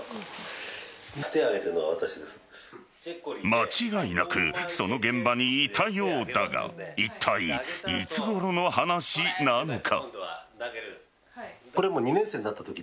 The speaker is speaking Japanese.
間違いなくその現場にいたようだがいったい、いつごろの話なのか。